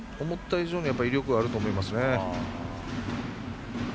思った以上に威力があると思いますね。